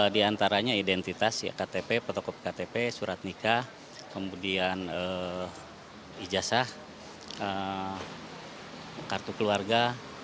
di antaranya identitas ktp petokopi ktp surat nikah kemudian ijazah kartu keluarga